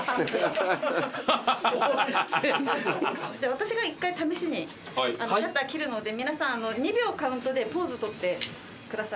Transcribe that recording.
私が１回試しにシャッター切るので皆さん２秒カウントでポーズ取ってください。